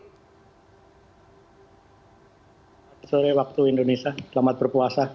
selamat sore waktu indonesia selamat berpuasa